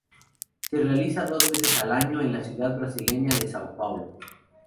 Se realiza dos veces al año en la ciudad brasileña de São Paulo.